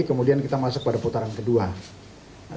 kemudian kita masuk pada putaran kedua